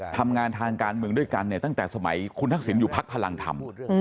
ทำงานทางการเมืองด้วยกันเนี่ยตั้งแต่สมัยคุณทักษิณอยู่พักพลังธรรม